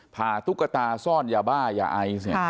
พาตุ๊กตาซ่อนยาบ้ายาไอซ์